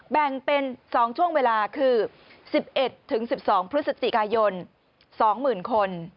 แบ่งเป็น๒ช่วงเวลาคือ๑๑๑๑๒พฤศจิกายน๒๐๐๐คน